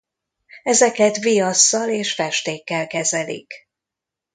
Ezeket viasszal és festékkel kezelik.